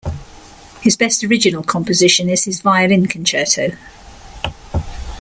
His best original composition is his Violin Concerto.